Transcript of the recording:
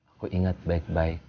aku ingat baik baik